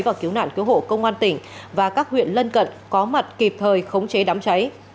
và cứu nạn cứu hộ công an tỉnh và các huyện lân cận có mặt kịp thời khống chế đám cháy